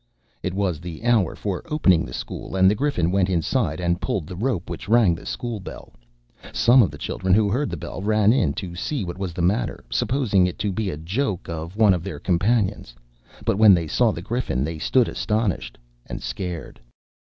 It was the hour for opening the school, and the Griffin went inside and pulled the rope which rang the schoolbell. Some of the children who heard the bell ran in to see what was the matter, supposing it to be a joke of one of their companions; but when they saw the Griffin they stood astonished, and scared.